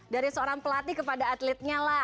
dari seorang pelatih kepada atletnya lah